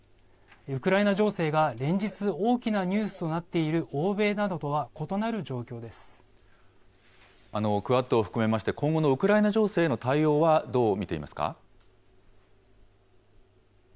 ウクライナ情勢が連日大きなニュースとなっている欧米などとは異クアッドを含めまして、今後のウクライナ情勢への対応はどう見ていますか。